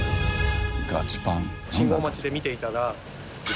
「ガチパン」。